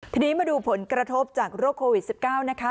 ทีนี้มาดูผลกระทบจากโรคโควิด๑๙นะคะ